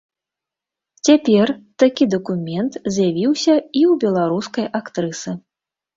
Цяпер такі дакумент з'явіўся і ў беларускай актрысы.